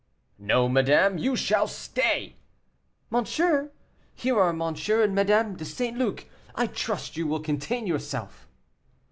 "No, madame, you shall stay." "Monsieur, here are M. and Madame de St. Luc, I trust you will contain yourself."